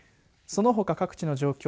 そのほか各地の状況